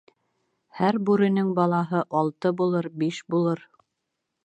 Һәр бүренең балаһы алты булыр, биш булыр